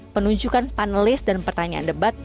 penunjukan panelis dan pertanyaan debat